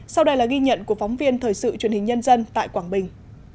sau đây là ghi nhận của phóng viên thời sự truyền hình nhân dân tại quảng bình